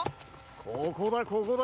ここだここだ。